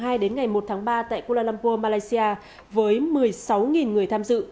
ngày một tháng ba tại kuala lumpur malaysia với một mươi sáu người tham dự